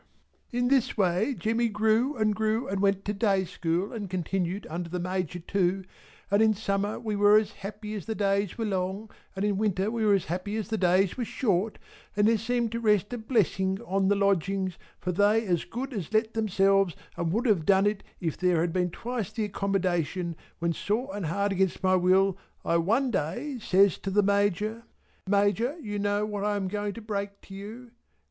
In this way Jemmy grew and grew and went to day school and continued under the Major too, and in summer we were as happy as the days were long, and in winter we were as happy as the days were short and there seemed to rest a Blessing on the Lodgings for they as good as Let themselves and would have done it if there had been twice the accommodation, when sore and hard against my will I one day says to the Major. "Major you know what I am going to break to you.